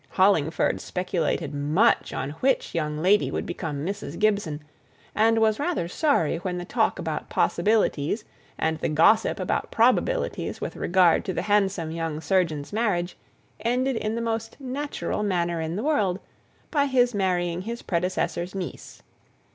Hollingford speculated much on which young lady would become Mrs. Gibson, and was rather sorry when the talk about possibilities, and the gossip about probabilities, with regard to the handsome young surgeon's marriage, ended in the most natural manner in the world, by his marrying his predecessor's niece.